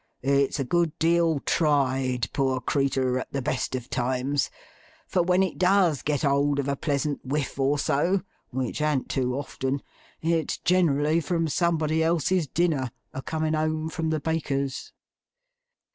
It's a good deal tried, poor creetur, at the best of times; for when it does get hold of a pleasant whiff or so (which an't too often) it's generally from somebody else's dinner, a coming home from the baker's.